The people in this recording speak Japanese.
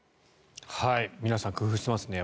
皆さん工夫していますね